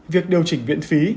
việc điều chỉnh viện phí